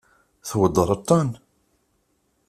Tweddṛeḍ-ten?